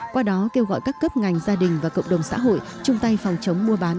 qua đó kêu gọi các cấp ngành gia đình và cộng đồng xã hội chung tay phòng chống mua bán